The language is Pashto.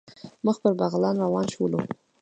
مخ پر بغلان روان شولو.